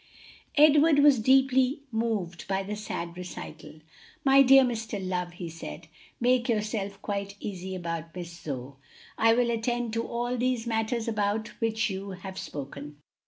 Edward was deeply moved by the sad recital. "My dear Mr. Love," he said, "make yourself quite easy about Miss Zoe. I will attend to all these matters about which you have spoken.